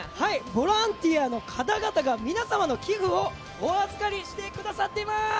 ボランティアの方々が皆様の寄付をお預かりしてくださっています。